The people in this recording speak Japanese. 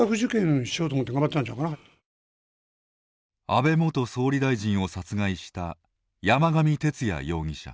安倍元総理大臣を殺害した山上徹也容疑者。